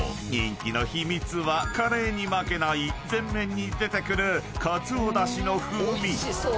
人気の秘密はカレーに負けない全面に出てくる鰹だしの風味］